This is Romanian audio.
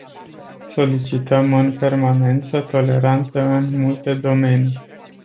Solicităm în permanență toleranță în multe domenii.